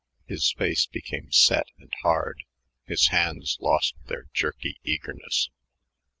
His face became set and hard; his hands lost their jerky eagerness.